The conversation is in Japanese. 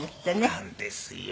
そうなんですよ。